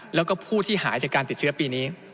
แล้วก็ผู้ที่หายจากการติดเชื้อปีนี้